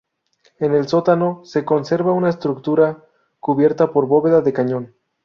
En el sótano se conserva una estructura cubierta por bóveda de cañón.